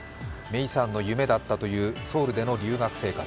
芽生さんの夢だったというソウルでの留学生活。